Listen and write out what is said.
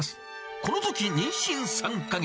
このとき妊娠３か月。